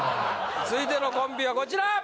続いてのコンビはこちら！